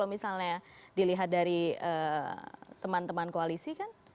karena kalau misalnya dilihat dari teman teman koalisi kan tidak nyaman dengan manusia itu